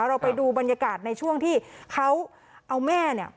เราไปดูบรรยากาศในช่วงที่เขาเอาแม่เนี่ย